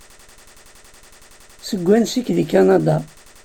Seg wansi-k deg Kanada?